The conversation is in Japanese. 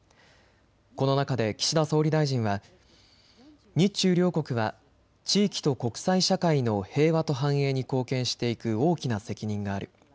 この中で岸田総理大臣は日中両国は地域と国際社会の平和と繁栄に貢献していく大きな責任がある。